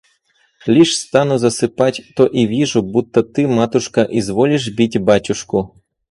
Лишь стану засыпать, то и вижу, будто ты, матушка, изволишь бить батюшку.